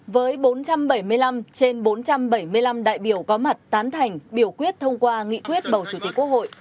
với bốn trăm bảy mươi năm trên bốn trăm bảy mươi năm đại biểu có mặt tán thành biểu quyết thông qua nghị quyết bầu chủ tịch quốc hội